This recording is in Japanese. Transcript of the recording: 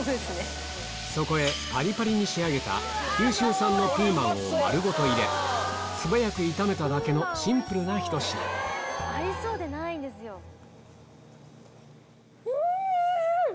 そこへパリパリに仕上げた九州産のピーマンを丸ごと入れ素早く炒めただけのシンプルなひと品うんおいしい！